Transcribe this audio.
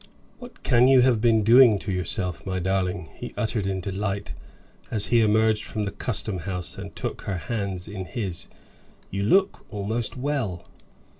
"What can you have been doing to yourself, my darling?" he uttered in delight as he emerged from the custom house and took her hands in his. "You look almost well."